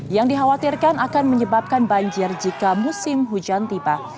yang dikhawatirkan akan menyebabkan banjir jika musim hujan tiba